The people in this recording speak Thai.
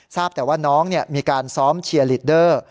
ทราบแต่ว่าน้องมีการซ้อมเชียร์ลีดเดอร์